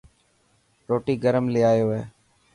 روٽي گرم لي آيو هي.